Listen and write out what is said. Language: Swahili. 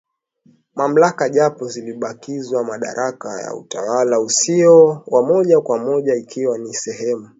mamlaka japo zilibakiziwa madaraka ya utawala usio wa moja kwa moja ikiwa ni sehemu